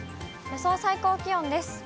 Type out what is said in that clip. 予想最高気温です。